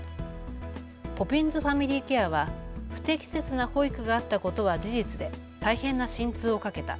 ポピンズファミリーケアは不適切な保育があったことは事実で大変な心痛をかけた。